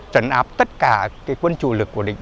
trận áp tất cả quân chủ lực của địch